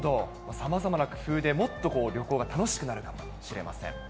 さまざまな工夫でもっと旅行が楽しくなるかもしれません。